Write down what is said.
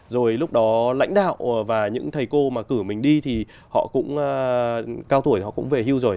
rồi lúc đó lãnh đạo và những thầy cô mà cử mình đi thì họ cũng cao tuổi họ cũng về hưu rồi